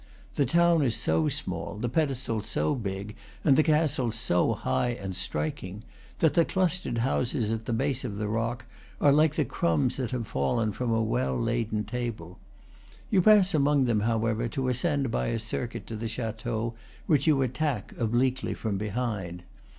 The town is so small, the pedestal so big, and the castle so high and striking, that the clustered houses at the base of the rock are like the crumbs that have fallen from a well laden table. You pass among them, however, to ascend by a circuit to the chateau, which you attack, obliquely, from behind.